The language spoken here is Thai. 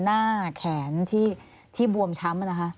หน้าแขนที่บวมช้ำ